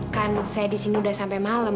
kan saya disini udah sampai malem